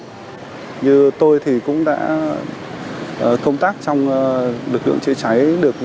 như tôi thì cũng đã công tác trong lực lượng chữa cháy